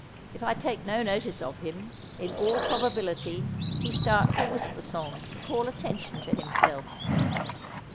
If I take no notice of him, in all probability he starts a Whisper Song to call attention to himself.